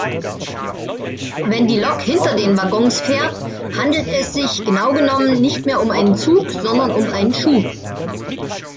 Wenn die Lok hinter den Waggons fährt, handelt es sich genau genommen nicht mehr um einen Zug sondern um einen Schub.